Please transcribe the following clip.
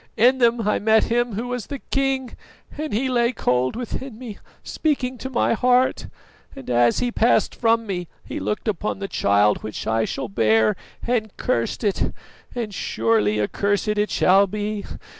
In them I met him who was the king, and he lay cold within me, speaking to my heart; and as he passed from me he looked upon the child which I shall bear and cursed it, and surely accursed it shall be.